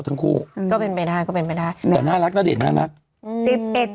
ทั้งคู่อืมก็เป็นไปได้ก็เป็นไปได้แต่น่ารักณเดชนน่ารักอืมสิบเอ็ด